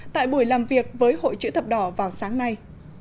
tại buổi làm việc với hội chữ thập đỏ vào sáng nay